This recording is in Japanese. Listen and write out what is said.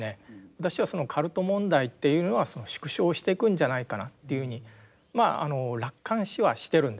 私はカルト問題っていうのは縮小していくんじゃないかなというふうにまあ楽観視はしてるんですね。